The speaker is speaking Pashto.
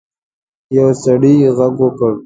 یو سړي غږ وکړ.